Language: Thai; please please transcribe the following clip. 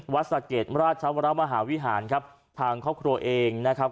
สะเกดราชวรมหาวิหารครับทางครอบครัวเองนะครับ